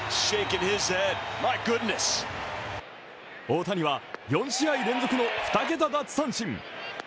大谷は４試合連続の２桁奪三振。